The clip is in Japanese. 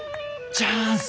チャンス！